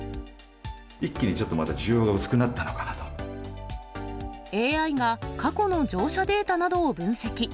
一気にまたちょっと需要が薄ＡＩが過去の乗車データなどを分析。